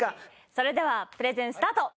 それではプレゼンスタート！